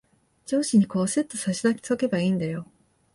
上司にこう、すっと差し出しとけばいんだよ。